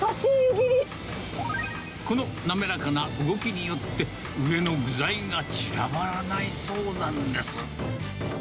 この滑らかな動きによって、上の具材が散らばらないそうなんです。